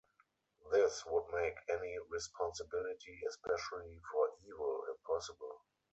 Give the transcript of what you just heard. This would make any responsibility, especially for evil, impossible.